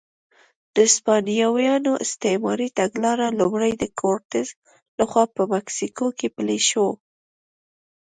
د هسپانویانو استعماري تګلاره لومړی د کورټز لخوا په مکسیکو کې پلې شوه.